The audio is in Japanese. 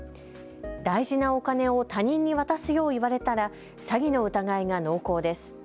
大事なお金を他人に渡すよう言われたら詐欺の疑いが濃厚です。